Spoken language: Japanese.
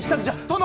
殿！